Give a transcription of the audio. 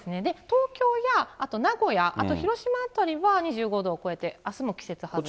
東京やあと名古屋、あと広島辺りは２５度を超えて、あすも季節外れの暑さ。